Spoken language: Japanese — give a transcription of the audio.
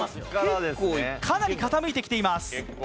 かなり傾いてきています。